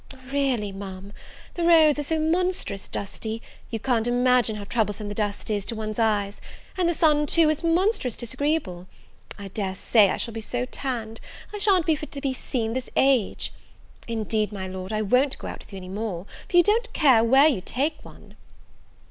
"Really, Ma'am, the roads are so monstrous dusty, you can't imagine how troublesome the dust is to one's eyes! and the sun, too, is monstrous disagreeable! I dare say I shall be so tanned: I shan't be fit to be seen this age. Indeed, my Lord, I won't go out with you any more, for you don't care where you take one."